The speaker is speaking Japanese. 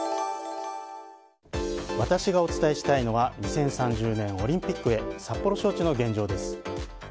私がお伝えしたいのは２０３０年オリンピックへ札幌招致の現状です。